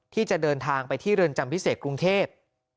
ที่จะเดินทางไปที่เรือนจำพิเศษกรุงเทพ